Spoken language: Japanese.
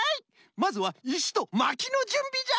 まずはいしとまきのじゅんびじゃ！